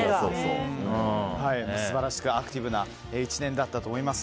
素晴らしくアクティブな１年だったと思います。